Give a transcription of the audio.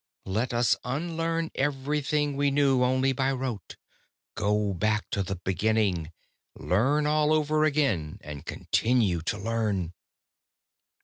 _Let us unlearn everything we knew only by rote, go back to the beginning, learn all over again, and continue to learn....